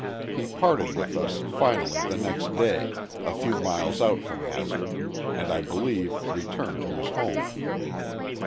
He parted with us finally the next day, a few miles out from Hazard, and I believe returned to his home.